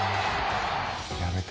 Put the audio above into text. やめて。